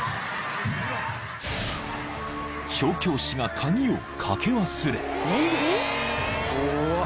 ［調教師が鍵をかけ忘れ］